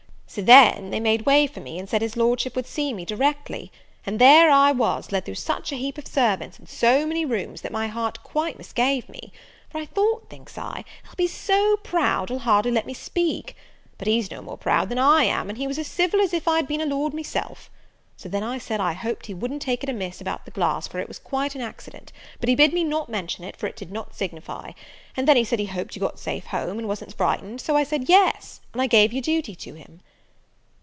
So then they made way for me, and said his Lordship would see me directly: and there I was led through such a heap of servants, and so many rooms, that my heart quite misgave me; for I thought, thinks I, he'll be so proud he'll hardly let me speak; but he's no more proud than I am, and he was as civil as if I'd been a lord myself. So then I said, I hoped he wouldn't take it amiss about the glass, for it was quite an accident; but he bid me not mention it, for it did not signify. And then he said he hoped you got safe home, and wasn't frightened so I said yes, and I gave your duty to him."